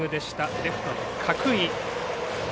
レフトの角井。